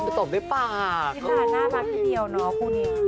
นี่ค่ะน่ามากที่เดียวเนอะคู่นี้